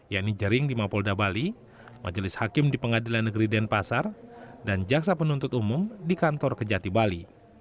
yaitu jering di mapolda bali majelis hakim di pengadilan negeri denpasar dan jaksa penuntut umum di kantor kejati bali